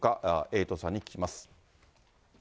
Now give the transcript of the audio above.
エイトさんに聞きます。